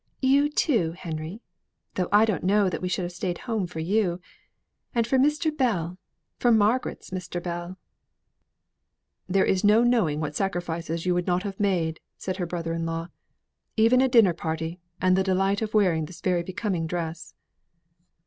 "You, too, Henry! though I don't know that we should have stayed at home for you. And for Mr. Bell! for Margaret's Mr. Bell " "There is no knowing what sacrifices you would not have made," said her brother in law. "Even a dinner party! and the delight of wearing this very becoming dress."